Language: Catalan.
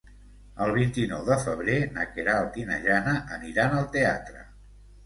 El vint-i-nou de febrer na Queralt i na Jana aniran al teatre.